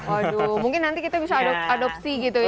aduh mungkin nanti kita bisa adopsi gitu ya